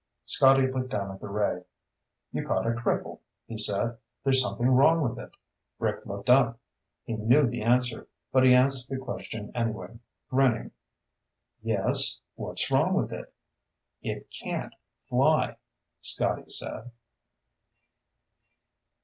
Scotty looked down at the ray. "You caught a cripple," he said. "There's something wrong with it." Rick looked up. He knew the answer, but he asked the question anyway, grinning. "Yes? What's wrong with it?" "It can't fly," Scotty said.